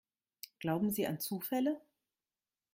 Glauben Sie an Zufälle?